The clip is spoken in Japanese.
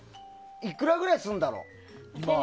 いくらくらいするんだろう？